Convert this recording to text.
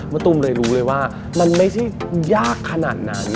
ตุ้มเลยรู้เลยว่ามันไม่ใช่ยากขนาดนั้น